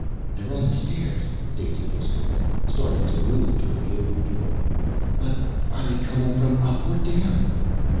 "They're on the stairs," Daisy whispered, starting to move toward the open door. "But are they coming from up or down?"